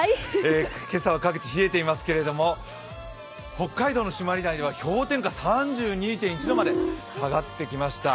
今朝は各地、冷えていますけれども北海道の朱鞠内では氷点下３２．１度まで下がってきました。